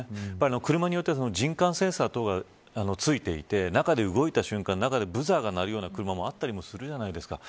車によって人感センサーなどがついていて中で動いた瞬間、ブザーが鳴る車もあったりするじゃないですか。